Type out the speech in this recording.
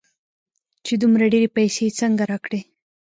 چې دومره ډېرې پيسې يې څنگه راکړې.